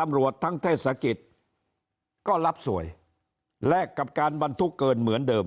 ตำรวจทั้งเทศกิจก็รับสวยแลกกับการบรรทุกเกินเหมือนเดิม